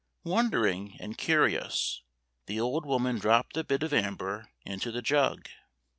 Wondering and curious, the old woman dropped the bit of amber into the jug.